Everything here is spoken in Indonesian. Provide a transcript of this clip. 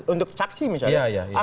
untuk caksi misalnya